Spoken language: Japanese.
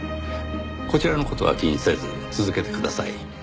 こちらの事は気にせず続けてください。